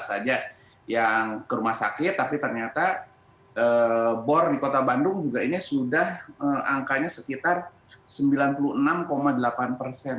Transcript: saja yang ke rumah sakit tapi ternyata bor di kota bandung juga ini sudah angkanya sekitar sembilan puluh enam delapan persen